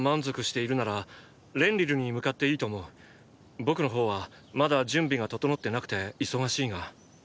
僕の方はまだ準備が整ってなくて忙しいが。